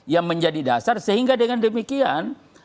yang menjadi dasar sehingga dengan demikian